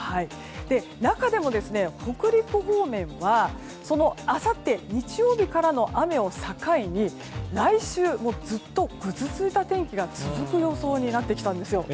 中でも、北陸方面はそのあさって日曜日からの雨を境に、来週ずっとぐずついた天気が続く予想になってきたんですよ。